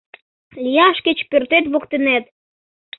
Лияш кеч пӧртет воктенет.